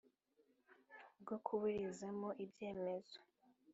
bwo kuburizamo ibyemezo